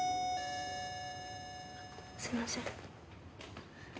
すみません。